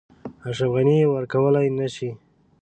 اشرف غني یې ورکولای نه شي.